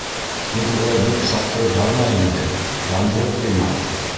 — Һин улай бик саптырып барма инде, яндырып ҡуйма...